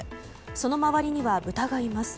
その周りにはブタがいます。